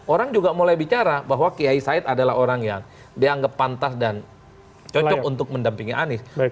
orang juga mulai bicara bahwa kiai said adalah orang yang dianggap pantas dan cocok untuk mendampingi anies